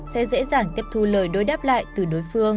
sẽ dễ dàng tiếp thu lời đối đáp lại từ đối phương